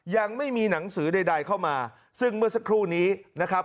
ยังไม่มีหนังสือใดเข้ามาซึ่งเมื่อสักครู่นี้นะครับ